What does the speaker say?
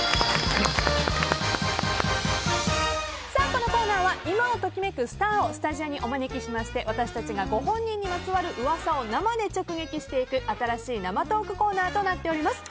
このコーナーは今を時めくスターをスタジオにお招きしまして私たちがご本人にまつわる噂を生で直撃していく新しい生トークコーナーとなっております。